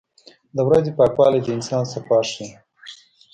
• د ورځې پاکوالی د انسان صفا ښيي.